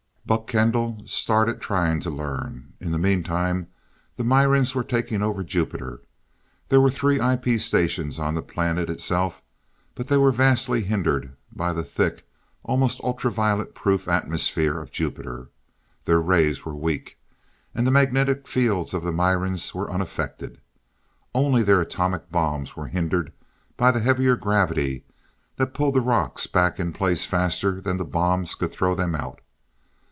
Buck Kendall started trying to learn. In the meantime, the Mirans were taking over Jupiter. There were three IP stations on the planet itself, but they were vastly hindered by the thick, almost ultra violet proof atmosphere of Jupiter. Their rays were weak. And the magnetic fields of the Mirans were unaffected. Only their atomic bombs were hindered by the heavier gravity that pulled the rocks back in place faster than the bombs could throw them out.